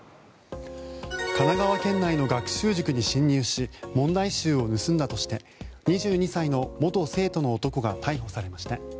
神奈川県内の学習塾に侵入し問題集を盗んだとして２２歳の元生徒の男が逮捕されました。